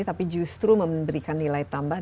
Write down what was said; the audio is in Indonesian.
tapi justru memberikan nilai tambah